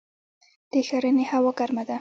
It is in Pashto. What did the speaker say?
د ښرنې هوا ګرمه ده